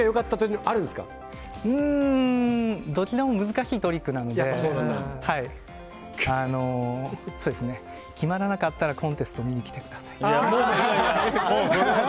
うーん。どちらも難しいトリックなので決まらなかったらコンテスト見に来てください。